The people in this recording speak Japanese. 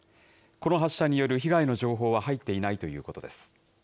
この発射による被害の情報は入っていないということです。